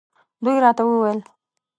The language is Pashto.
دوی راته وویل.